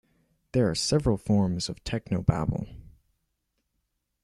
There are several forms of technobabble.